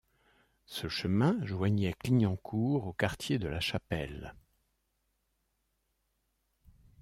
Ce chemin joignait Clignancourt au quartier de la Chapelle.